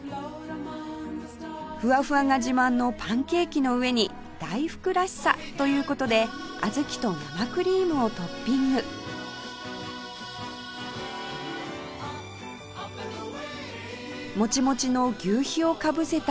ふわふわが自慢のパンケーキの上に大福らしさという事で小豆と生クリームをトッピングもちもちの求肥をかぶせた